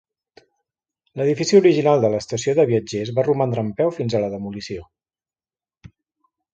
L'edifici original de l'estació de viatgers va romandre en peu fins a la demolició.